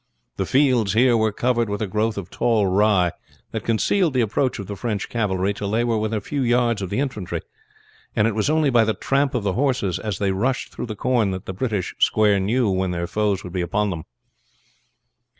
The fields here were covered with a growth of tall rye, that concealed the approach of the French cavalry till they were within a few yards of the infantry, and it was only by the tramp of the horses as they rushed through the corn that the British square knew when their foes would be upon them.